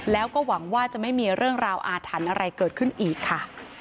แล้วก็หวังว่าจะไม่มีเรื่องราวอาถรรพ์อะไรเกิดขึ้นอีกค่ะ